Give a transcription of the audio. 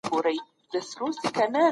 کمپيوټر جوابونه ليکي.